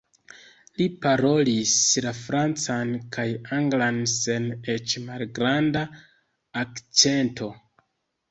Li parolis la francan kaj anglan sen eĉ malgranda akĉento.